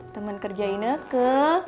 temen kerja ineke